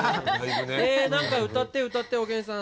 え何か歌って歌っておげんさん。